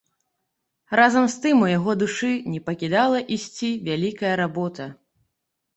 Разам з тым у яго душы не пакідала ісці вялікая работа.